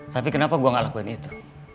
tapi kenapa gue gak lakuin itu